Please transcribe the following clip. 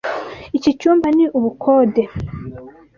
Iki cyumba ni ubukode.